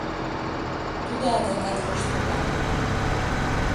Тудо адакат воштылале.